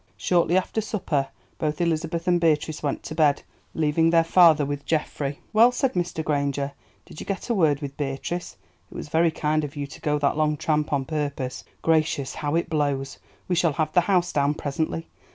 Shortly after supper both Elizabeth and Beatrice went to bed, leaving their father with Geoffrey. "Well," said Mr. Granger, "did you get a word with Beatrice? It was very kind of you to go that long tramp on purpose. Gracious, how it blows! we shall have the house down presently.